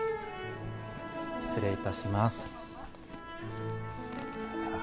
失礼いたします。